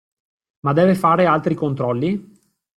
Ma deve fare altri controlli?